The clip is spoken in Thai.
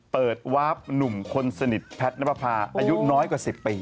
เปิดวาร์ฟหนุ่มคนสนิทแพทย์นับประพาอายุน้อยกว่า๑๐ปี